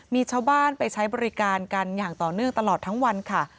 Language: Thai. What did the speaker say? มีชาวบ้านไปใช้บริการกันอย่างต่อเนื่องตลอดทั้งวันค่ะ